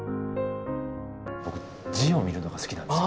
僕字を見るのが好きなんですよ。